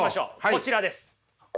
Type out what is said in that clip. こちらです。